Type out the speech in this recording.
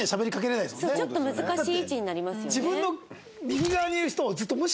ちょっと難しい位置になりますよね。